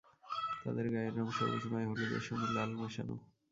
তাদের গায়ের রঙ সবুজ নয়, হলুদের সঙ্গে লাল মেশানো।